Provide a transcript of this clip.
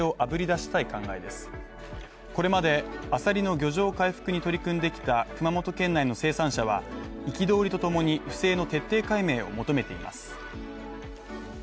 これまでアサリの漁場回復に取り組んできた、熊本県内の生産者は憤りとともに不正の徹底解明を求めています。